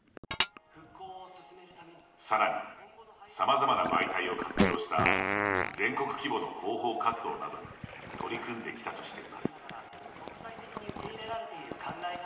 さらにさまざまな媒体を活用した全国規模の広報活動などに取り組んできたとしています。